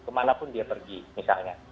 kemana pun dia pergi misalnya